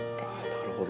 なるほど。